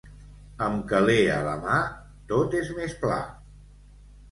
Amb calé a la mà, tot és més pla.